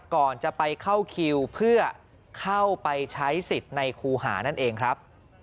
ก่อนจะไปเข้าคิวเพื่อเข้าไปใช้สิทธิ์ในครูหานั่นเองครับ